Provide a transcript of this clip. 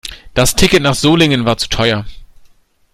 Das Ticket nach Solingen war zu teuer